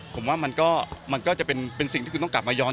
ผมว่ามันก็จะเป็นสิ่งที่คุณต้องกลับมาย้อน